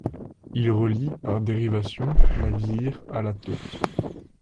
Il relie, par dérivation, la Vire à la Taute.